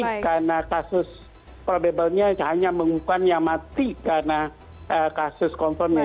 yang mati karena kasus probable nya hanya mengumumkan yang mati karena kasus konfirmnya